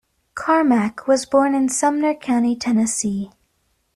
Carmack was born in Sumner County, Tennessee.